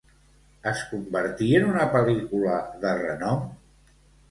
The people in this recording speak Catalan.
Es convertí en una pel·lícula de renom?